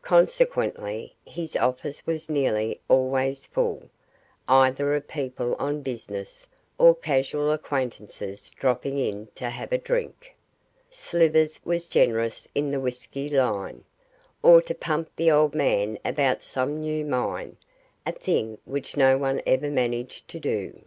Consequently, his office was nearly always full; either of people on business or casual acquaintances dropping in to have a drink Slivers was generous in the whisky line or to pump the old man about some new mine, a thing which no one ever managed to do.